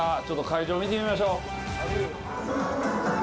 ちょっと会場見てみましょう。